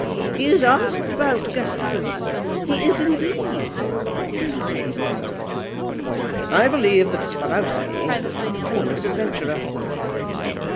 "He is asked about, Gustavus; he is indeed," pleaded Lady Baldock. "I believe that Sparrowsky is a penniless adventurer.